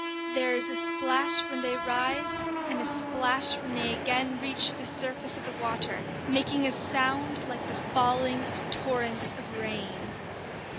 There is a splash when they rise, and a splash when they again reach the surface of the water; making a sound like the falling of torrents of rain.